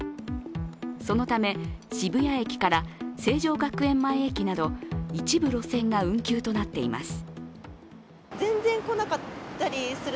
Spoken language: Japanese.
そのため、渋谷駅から成城学園前駅など、一部路線が運休となっています。